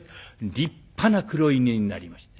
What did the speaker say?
立派な黒犬になりました。